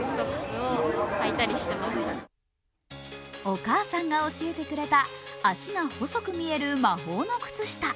お母さんが教えてくれた足が細く見える魔法の靴下。